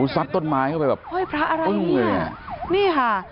สับต้นไม้อีก